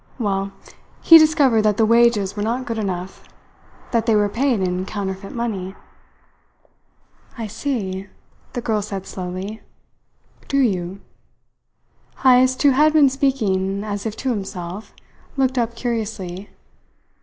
Well, he discovered that the wages were not good enough. That they were paid in counterfeit money." "I see!" the girl said slowly. "Do you?" Heyst, who had been speaking as if to himself, looked up curiously.